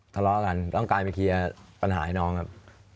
ทะเลาะกันต้องการไปเคลียร์ปัญหาให้น้องครับ